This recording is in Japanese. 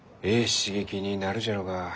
刺激になるじゃろうが。